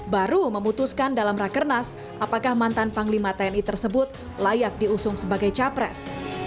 baru memutuskan dalam rakernas apakah mantan panglima tni tersebut layak diusung sebagai capres